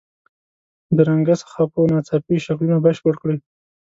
د رنګه خپو ناڅاپي شکلونه بشپړ کړئ.